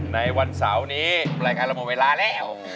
ในวันเสาร์นี้รายการเราหมดเวลาแล้ว